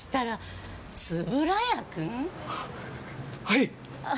はい！